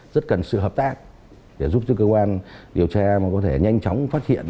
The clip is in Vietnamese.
rất cần sự hợp tác để giúp cơ quan điều tra và có thể nhanh chóng phát hiện